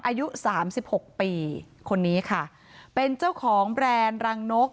อายุสามสิบหกปีคนนี้ค่ะเป็นเจ้าของแบรนด์รังนก